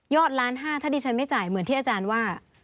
ล้านห้าถ้าดิฉันไม่จ่ายเหมือนที่อาจารย์ว่า